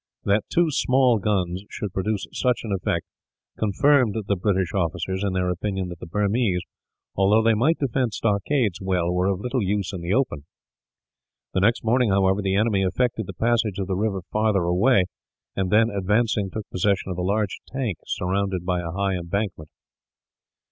That two small guns should produce such an effect confirmed the British officers in their opinion that the Burmese, although they might defend stockades well, were of little use in the open. The next morning, however, the enemy effected the passage of the river farther away and then, advancing, took possession of a large tank surrounded by a high embankment.